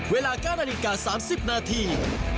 เวลา๙นาฬิกา๓๐นาที